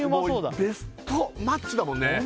もうベストマッチだもんね